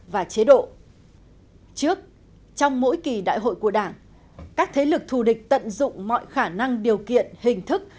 và chế độ trước trong mỗi kỳ đại hội của đảng các thế lực thù địch tận dụng mọi khả năng điều kiện hình thức